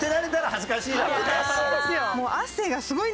恥ずかしいですよ。